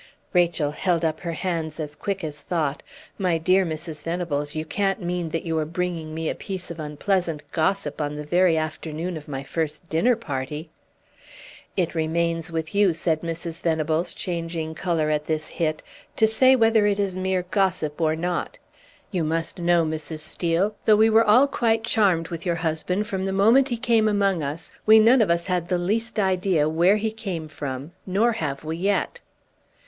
Rachel held up her hands as quick as thought. "My dear Mrs. Venables, you can't mean that you are bringing me a piece of unpleasant gossip on the very afternoon of my first dinner party?" "It remains with you," said Mrs. Venables, changing color at this hit, "to say whether it is mere gossip or not. You must know, Mrs. Steel, though we were all quite charmed with your husband from the moment he came among us, we none of us had the least idea where he came from nor have we yet."